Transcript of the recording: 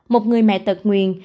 một người mẹ tật nguyền